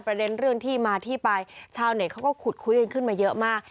ประเด็นเรื่องที่มาที่ไปชาวเน็ตเขาก็ขุดคุยกันขึ้นมาเยอะมาก